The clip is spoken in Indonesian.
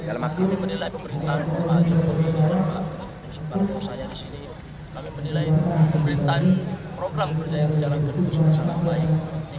dalam aksi ini